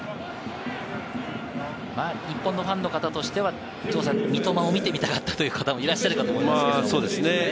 日本のファンとしては三笘を見てみたかったという方もいらっしゃるかと思いますけれどもね。